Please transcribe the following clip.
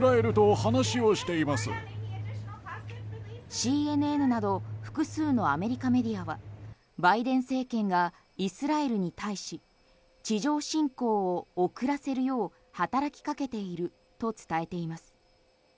ＣＮＮなど複数のアメリカメディアはバイデン政権がイスラエルに対し地上侵攻を遅らせるよう働きかけていると伝えています。